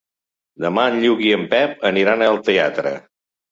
Demà en Lluc i en Pep aniran al teatre.